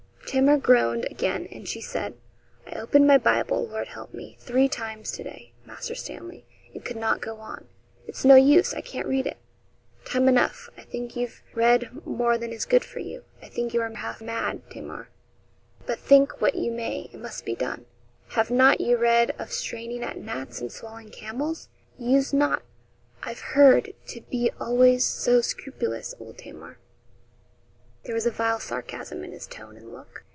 Tamar groaned again, and she said: 'I opened my Bible, Lord help me, three times to day, Master Stanley, and could not go on. It's no use I can't read it.' 'Time enough I think you've read more than is good for you. I think you are half mad, Tamar; but think what you may, it must be done. Have not you read of straining at gnats and swallowing camels? You used not, I've heard, to be always so scrupulous, old Tamar.' There was a vile sarcasm in his tone and look.